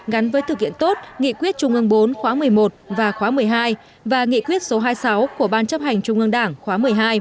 gắn với thực hiện tốt nghị quyết trung ương bốn khóa một mươi một và khóa một mươi hai và nghị quyết số hai mươi sáu của ban chấp hành trung ương đảng khóa một mươi hai